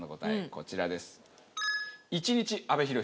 こちらです。